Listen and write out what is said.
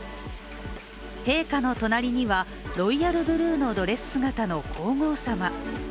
陛下の隣には、ロイヤルブルーのドレス姿の皇后さま。